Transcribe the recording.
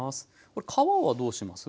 これ皮はどうします？